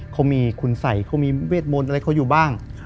เขามีคุณสัยเขามีเวทมนต์อะไรเขาอยู่บ้าง